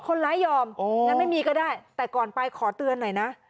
ยอมงั้นไม่มีก็ได้แต่ก่อนไปขอเตือนหน่อยนะ